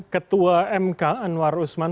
ketua mk anwar usman